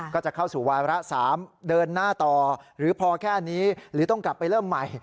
ก็จะเข้าสู่วาระ๓เดินหน้าต่อหรือพอแค่นี้หรือต้องกลับไปเริ่มใหม่